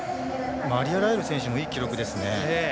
マリア・ライル選手もいい記録ですね。